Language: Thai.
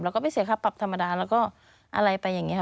แล้วก็ไม่เสียค่าปรับธรรมดาแล้วก็อะไรไปอย่างนี้ค่ะ